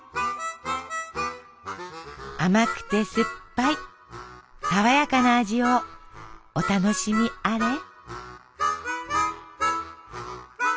甘くて酸っぱいさわやかな味をお楽しみあれ。